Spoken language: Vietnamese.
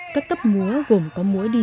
các cấp múa gồm có múa điện